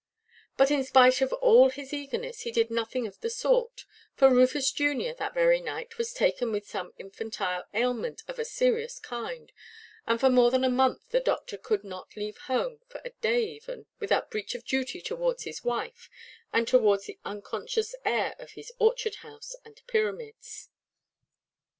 But, in spite of all his eagerness, he did nothing of the sort; for Rufus junior that very night was taken with some infantile ailment of a serious kind, and for more than a month the doctor could not leave home for a day even, without breach of duty towards his wife, and towards the unconscious heir of his orchard–house and pyramids.